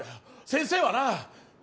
先生はな